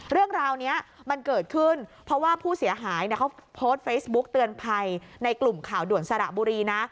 เรื่องราวนี้มันเกิดขึ้นเพราะว่าผู้เสียหายเขาโพสต์เฟซบุ๊กเตือนภัยในกลุ่มข่าวด่วนสระบุรีนะ